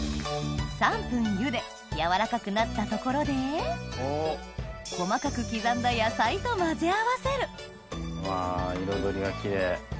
３分ゆで軟らかくなったところで細かく刻んだ野菜と混ぜ合わせるうわ彩りがキレイ。